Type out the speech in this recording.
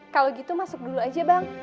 kalau gitu masuk dulu aja bang